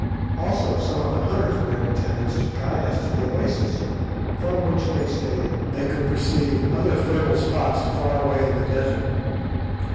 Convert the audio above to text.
Also some of the hunters were in attendance to guide us to the oasis, from which, they stated, they could perceive other fertile spots far away in the desert.